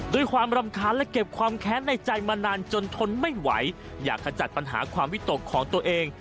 ด้วยความรำคาญและเก็บความแค้นในใจมานานจนทนไม่ไหวอยากขจัดปัญหาความวิตกของตัวเอง